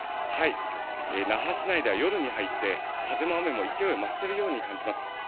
那覇市内では夜に入って風も雨も勢いを増しているように感じます。